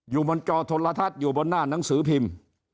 อยู่บนจอโทรทัศน์อยู่บนหน้าหนังสือพิมพ์